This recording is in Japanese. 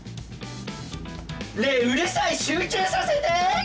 ねえうるさい集中させて！